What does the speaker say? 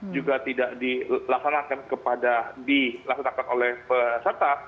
juga tidak dilaksanakan oleh peserta